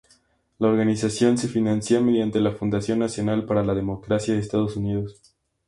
La organización se financia mediante la Fundación Nacional para la Democracia de Estados Unidos.